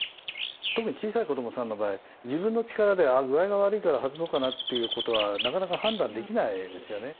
特に小さい子どもさんの場合自分の力で具合が悪いから外そうかなっていうことはなかなか判断できないですよね。